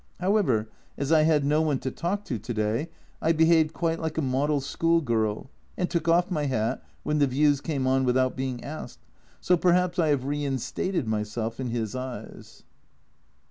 However, as I had no one to talk to to day, I behaved quite like a model schoolgirl, and took off my hat when the views came on without being asked, so perhaps I have reinstated myself in his eyes.